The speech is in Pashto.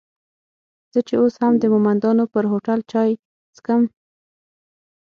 زه چې اوس هم د مومندانو پر هوټل چای څکم.